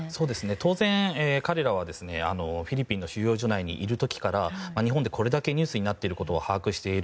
当然、彼らはフィリピン収容所内にいる時から日本でこれだけニュースになっていることを把握している。